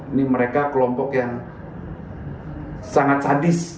ini mereka kelompok yang sangat sadis